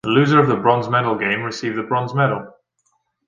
The loser of the bronze medal game received the bronze medal.